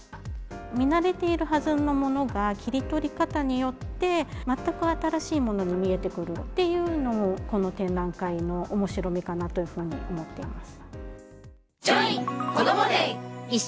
見慣れているはずのものが切り取り方によって、全く新しいものに見えてくるっていうのも、この展覧会のおもしろみかなというふうに思っています。